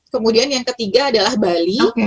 kemudian yang ketiga adalah bali